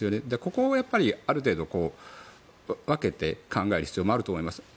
ここをある程度、分けて考える必要もあると思います。